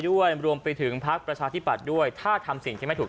รวมไปถึงพักประชาธิปัตย์ด้วยถ้าทำสิ่งที่ไม่ถูก